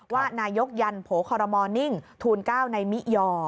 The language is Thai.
ว่านายกยันโผล่คอรมอนิ่งทูล๙ในมิยอ